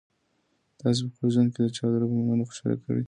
تاسي په خپل ژوند کي د چا زړه په مننه خوشاله کړی؟